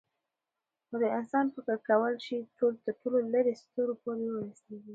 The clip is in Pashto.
خو د انسان فکر کولی شي تر ټولو لیرې ستورو پورې ورسېږي.